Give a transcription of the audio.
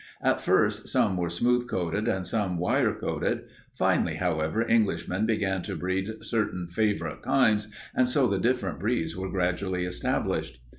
At first, some were smooth coated and some wire coated. Finally, however, Englishmen began to breed certain favorite kinds, and so the different breeds were gradually established.